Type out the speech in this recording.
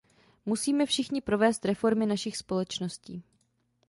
Musíme všichni provést reformy našich společností.